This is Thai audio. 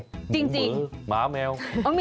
หมูหมือหมาเมล